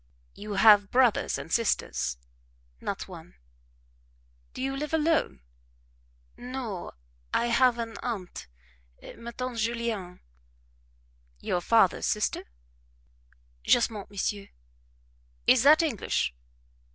"You have brothers and sisters?" "Not one." "Do you live alone?" "No I have an aunt ma tante Julienne." "Your father's sister?" "Justement, monsieur." "Is that English?"